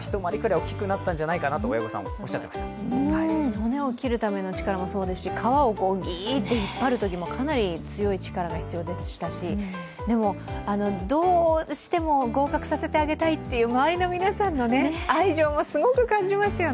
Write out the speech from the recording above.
骨を切るための力もそうですし皮をぎーっと引っ張るときもかなり強い力が必要でしたし、でも、どうしても合格させてあげたいっていう周りの皆さんの愛情もすごく感じますよね。